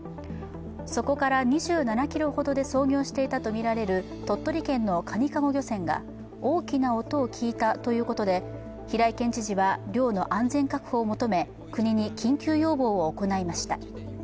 そこから２７ｋｍほどで操業していたとみられる鳥取県のかにかご漁船が大きな音を聞いたということで平井県知事は、漁の安全確保を求め国に緊急要請を行いました。